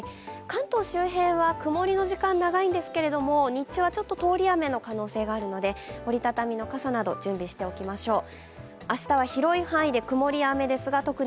関東周辺は曇りの時間長いんですけれども、日中は通り雨の可能性があるので、折り畳みの傘など準備しておきましょう。